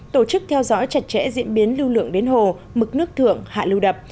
tổ chức theo dõi chặt chẽ diễn biến lưu lượng đến hồ mực nước thượng hạ lưu đập